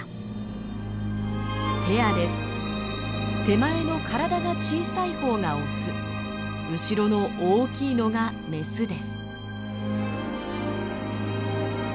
手前の体が小さい方がオス後ろの大きいのがメスです。